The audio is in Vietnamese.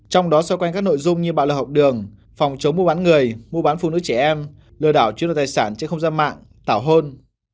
trong đó xoay quanh các nội dung như bạo lực học đường phòng chống mua bán người mua bán phụ nữ trẻ em lừa đảo chiếm đoạt tài sản trên không gian mạng tảo hôn